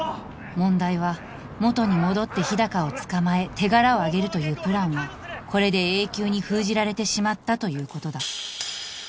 問題は元に戻って日高を捕まえ手柄をあげるというプランはこれで永久に封じられてしまったということだ